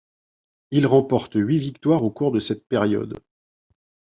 Il remporte huit victoires au cours de cette période.